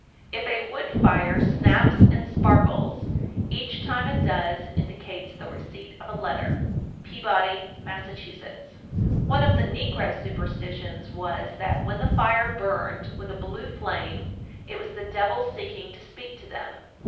_ 1450. If a wood fire snaps and sparkles, each time it does indicates the receipt of a letter. Peabody, Mass. 1451. One of the negro superstitions was that when the fire burned with a blue flame, it was the devil seeking to speak to them.